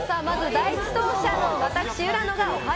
第１走者の私、浦野がＯｈａ！